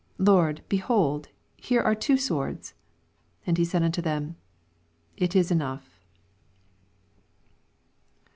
Lord, behold, here art two swords. Ana he saia anto them, It is enoagh.